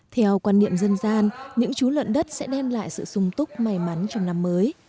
theo quan niệm dân gian những chú lợn đất sẽ đem lại sự sung túc may mắn trong năm mới